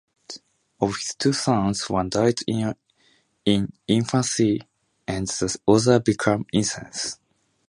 Of his two sons, one died in infancy and the other became insane.